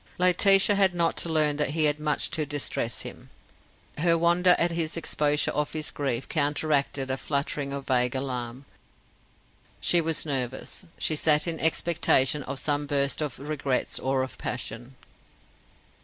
Laetitia had not to learn that he had much to distress him. Her wonder at his exposure of his grief counteracted a fluttering of vague alarm. She was nervous; she sat in expectation of some burst of regrets or of passion.